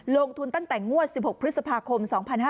ลงทุนตั้งแต่งวด๑๖พฤษภาคม๒๕๕๙